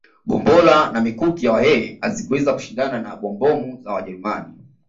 Gombora na mikuki ya Wahehe hazikuweza kushindana na bombomu za Wajerumani